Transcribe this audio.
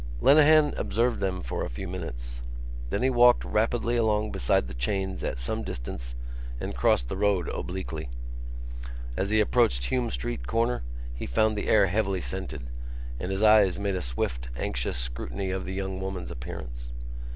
Lenehan observed them for a few minutes. Then he walked rapidly along beside the chains at some distance and crossed the road obliquely. As he approached Hume Street corner he found the air heavily scented and his eyes made a swift anxious scrutiny of the young woman's appearance.